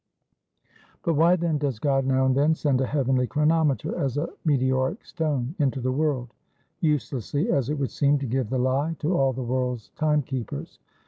"But why then does God now and then send a heavenly chronometer (as a meteoric stone) into the world, uselessly as it would seem, to give the lie to all the world's time keepers?